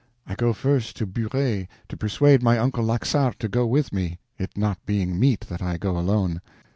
I go first to Burey, to persuade my uncle Laxart to go with me, it not being meet that I go alone.